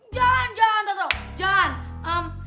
jalan jalan tante jalan